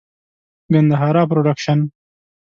ګندهارا پروډکشن.